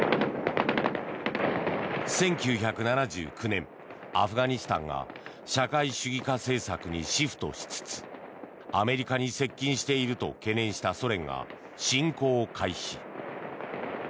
１９７９年、アフガニスタンが社会主義化政策にシフトしつつアメリカに接近していると懸念したソ連が侵攻を開始。